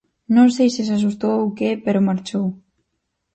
Non sei se se asustou ou que, pero marchou.